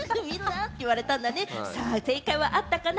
正解はあったかな？